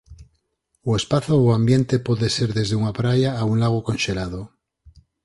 O espazo ou ambiente pode ser desde unha praia a un lago conxelado.